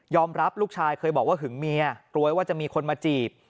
รับลูกชายเคยบอกว่าหึงเมียกลัวว่าจะมีคนมาจีบ